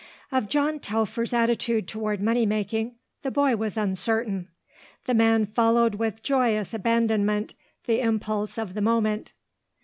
Of John Telfer's attitude toward money making, the boy was uncertain. The man followed with joyous abandonment the impulse of the moment.